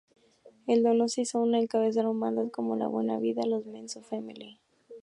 El Donosti Sound lo encabezaron bandas como La Buena Vida, Le Mans o Family.